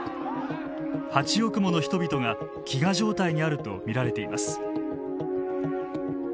８億もの人々が飢餓状態にあると見られています。